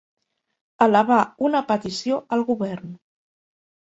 Elevar una petició al govern.